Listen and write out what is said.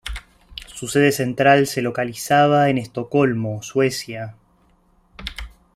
Su sede central se localizaba en Estocolmo, Suecia.